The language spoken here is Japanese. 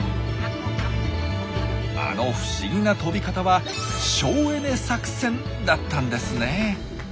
あの不思議な飛び方は省エネ作戦だったんですね。